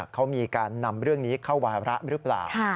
เขามีการนำเรื่องนี้เข้าวาระหรือเปล่า